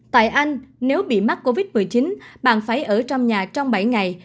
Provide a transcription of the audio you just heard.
tại anh nếu bị mắc covid một mươi chín bạn phải ở trong nhà trong bảy ngày